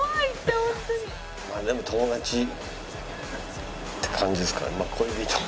まあでも友達って感じですかね。